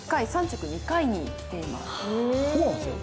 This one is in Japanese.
そうなんですよ。